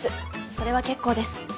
それは結構です。